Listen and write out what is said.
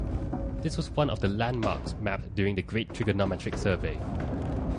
This was one of the landmarks mapped during the Great Trigonometric Survey.